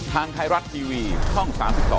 ทางไทยรัฐทีวีช่อง๓๒